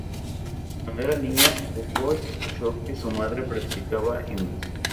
Cuando era niña, JoJo escuchó que su madre practicaba himnos.